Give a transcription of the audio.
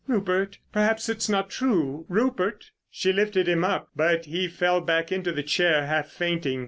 "Rupert—perhaps it's not true. Rupert!" She lifted him up, but he fell back into the chair half fainting.